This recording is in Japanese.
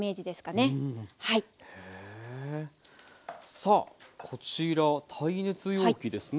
さあこちら耐熱容器ですね。